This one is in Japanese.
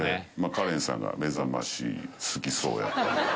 カレンさんが『めざまし』好きそうやったんで。